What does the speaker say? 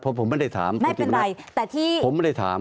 ผมไม่ได้ถามไม่เป็นไรแต่ที่ผมไม่ได้ถาม